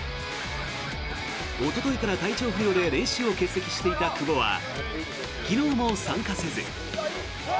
おとといから体調不良で練習を欠席していた久保は昨日も参加せず。